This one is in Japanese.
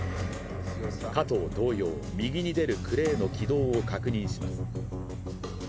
加藤同様、右に出るクレーの軌道を確認します。